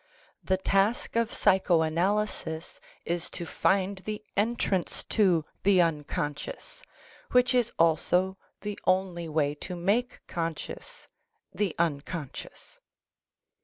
The THE UNCONSCIOUS 55 task of psycho analysis is to find the entrance to the unconscious, which is also the only way to make conscious the unconscious.